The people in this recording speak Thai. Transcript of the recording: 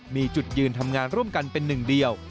มีจุดยืนทำงานร่วมกันเป็นหนึ่งเดียว